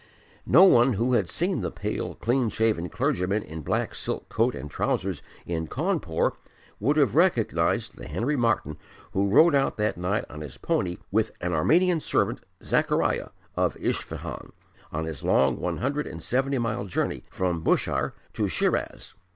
No one who had seen the pale, clean shaven clergyman in black silk coat and trousers in Cawnpore would have recognised the Henry Martyn who rode out that night on his pony with an Armenian servant, Zechariah of Isfahan, on his long one hundred and seventy mile journey from Bushire to Shiraz.